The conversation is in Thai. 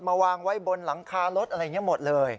วางไว้บนหลังคารถอะไรอย่างนี้หมดเลย